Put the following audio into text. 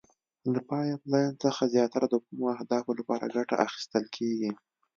له پایپ لین څخه زیاتره د کومو اهدافو لپاره ګټه اخیستل کیږي؟